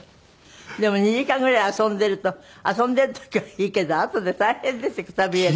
でも２時間ぐらい遊んでいると遊んでいる時はいいけどあとで大変ですねくたびれて。